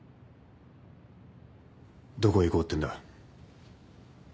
どこへ行こうってんだ？